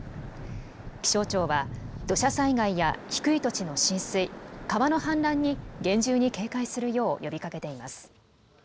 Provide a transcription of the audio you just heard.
気象庁は、土砂災害や低い土地の浸水、川の氾濫に厳重に警戒するよう呼びかけています。